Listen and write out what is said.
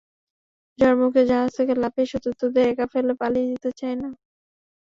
ঝড়ের মুখে জাহাজ থেকে লাফিয়ে সতীর্থদের একা ফেলে পালিয়ে যেতে চাই না।